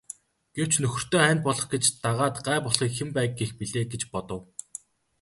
Гэвч нөхөртөө хань болох гэж дагаад гай болохыг хэн байг гэх билээ гэж бодов.